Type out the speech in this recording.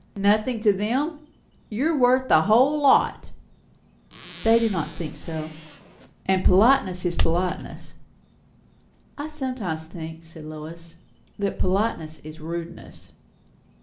"Nothing to them! You are worth the whole lot." "They do not think so." "And politeness is politeness." "I sometimes think," said Lois, "that politeness is rudeness."